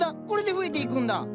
これで増えていくんだ。